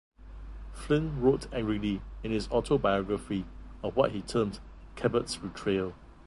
Flynn wrote angrily in his autobiography of what he termed Cabot's betrayal.